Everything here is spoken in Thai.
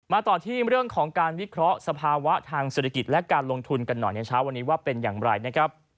ต่อที่เรื่องของการวิเคราะห์สภาวะทางเศรษฐกิจและการลงทุนกันหน่อยในเช้าวันนี้ว่าเป็นอย่างไรนะครับ